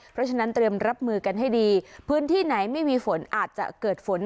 เพราะฉะนั้นเตรียมรับมือกันให้ดีพื้นที่ไหนไม่มีฝนอาจจะเกิดฝน